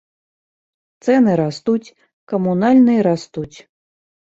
Цэны растуць, камунальныя растуць.